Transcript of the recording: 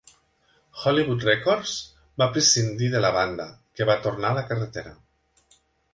Hollywood Records va prescindir de la banda, que va tornar a la carretera.